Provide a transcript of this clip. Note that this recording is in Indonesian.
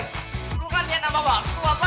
perlu kan lihat nama gue aku tuh apa